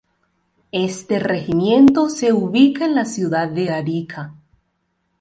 Este regimiento se ubica en la ciudad de Arica.